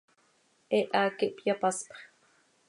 He haac ihpyapaspx.